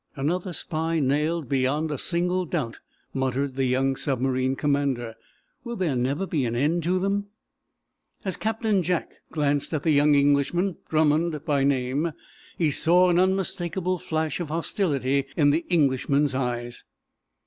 "Another spy nailed, beyond a single doubt," muttered the young submarine commander. "Will there never be an end to them." As Captain Jack glanced at the young Englishman, Drummond by name, he saw an unmistakable flash of hostility in the Englishman's eyes.